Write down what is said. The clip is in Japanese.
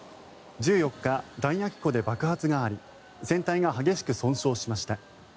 １４日、弾薬庫で爆発があり船体が激しく損傷しました。